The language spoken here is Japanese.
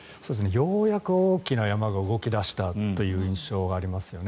ようやく大きな山が動き出したという印象がありますよね。